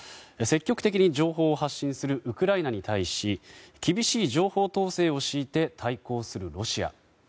積極的に情報を発信するウクライナに対し厳しい情報統制を敷いて対抗するロシア。